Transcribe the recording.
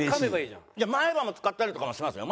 前歯も使ったりとかもしますよ。